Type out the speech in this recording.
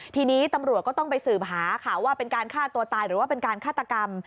ทีนี้ตำรวจก็ต้องไปสืบหาค่ะว่าเป็นการฆ่าตัวตายหรือว่าเป็นการฆาตกรรม